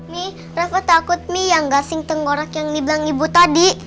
mi rafa takut mi yang gak sing tenggorak yang dibilang ibu tadi